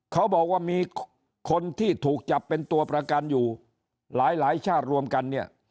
เขาบอกว่ามีคนที่ถูกจับเป็นตัวประกันอยู่หลายชาติรวมกันเนี่ย